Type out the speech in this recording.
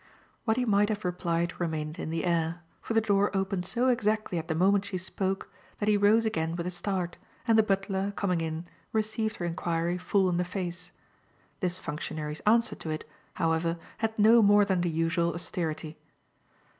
What he might have replied remained in the air, for the door opened so exactly at the moment she spoke that he rose again with a start and the butler, coming in, received her enquiry full in the face. This functionary's answer to it, however, had no more than the usual austerity.